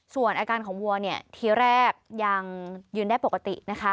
ส่วนอาการของวัวเนี่ยทีแรกยังยืนได้ปกตินะคะ